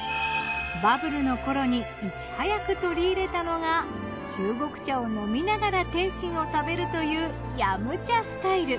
バブルの頃にいち早く取り入れたのが中国茶を飲みながら点心を食べるという飲茶スタイル。